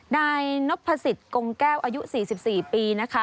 นายนพสิทธิ์กงแก้วอายุ๔๔ปีนะคะ